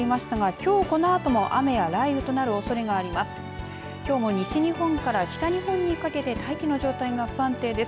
きょうも西日本から北日本にかけて大気の状態が不安定です。